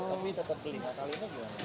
tapi tetap beli